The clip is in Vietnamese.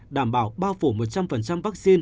đảm bảo bao phủ một trăm linh vaccine